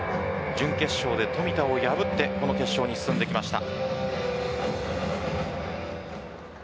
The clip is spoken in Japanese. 準決勝で冨田を破ってこの決勝に進んできました。